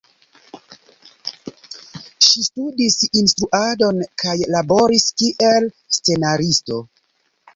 Ŝi studis instruadon kaj laboris kiel scenaristo.